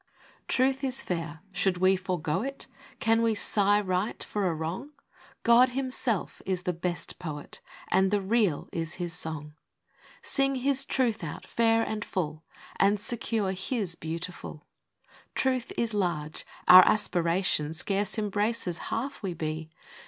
Truth is fair; should we forego it? Can we sigh right for a wrong ? God Himself is the best Poet, And the Real is His song. Sing His Truth out fair and full, And secure His beautiful. Truth is large. Our aspiration Scarce embraces half we be.